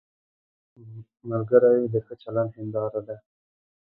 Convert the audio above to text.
ملګری د ښه چلند هنداره ده